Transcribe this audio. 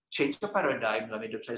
mengubah paradigma dalam hidup saya